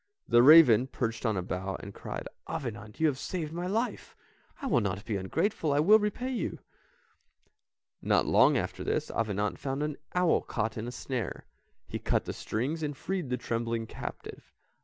The raven perched on a bough and cried. "Avenant you have saved my life, I will not be ungrateful, I will repay you." Not long after this, Avenant found an owl caught in a snare, he cut the strings, and freed the trembling captive.